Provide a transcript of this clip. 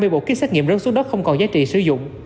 hai mươi bộ kích xét nghiệm rớt xuống đất không còn giá trị sử dụng